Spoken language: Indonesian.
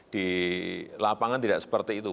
di lapangan tidak seperti itu